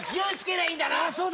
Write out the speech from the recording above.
そうだ。